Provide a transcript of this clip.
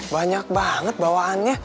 dan tuan luwa apa apa ya